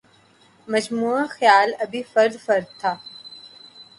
مجموعہ خیال ابھی فرد فرد تھا